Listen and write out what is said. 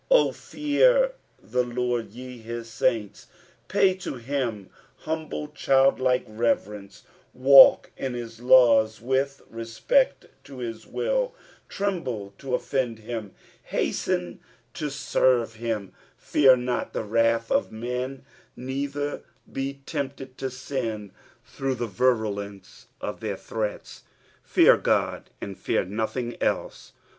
O fear the Lord, ye hu laiiitt." Pay to him humble childlike reverence, walk in his laws, have respect to his will, tremble to oflend him, liasten to 138 EXPOSITIONS Of THE PSALICB. •erve him. Fear not the wrath of men, neither be tempted to sin through the virulence of their tbreats ; fear God and fear nothing el^e.